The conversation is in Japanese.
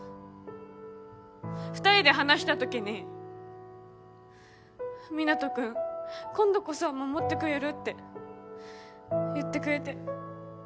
２人で話した時に湊人君今度こそは守ってくれるって言ってくれて。